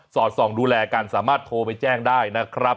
อดส่องดูแลกันสามารถโทรไปแจ้งได้นะครับ